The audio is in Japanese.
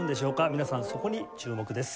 皆さんそこに注目です。